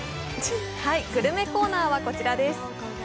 グルメコーナーはこちらです。